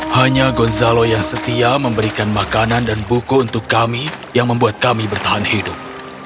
hanya gonzalo yang setia memberikan makanan dan buku untuk kami yang membuat kami bertahan hidup